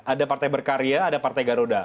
ada partai berkarya ada partai garuda